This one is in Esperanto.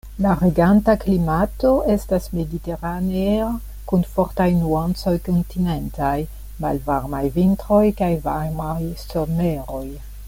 La reganta klimato estas mediteranea kun fortaj nuancoj kontinentaj; malvarmaj vintroj kaj varmaj someroj.